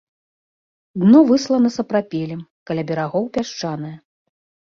Дно выслана сапрапелем, каля берагоў пясчанае.